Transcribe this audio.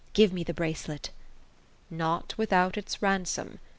" Give me the hracelet." "Not without its ransom.